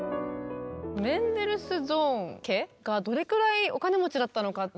メンデルスゾーン家がどれくらいお金持ちだったのか紹介していきます。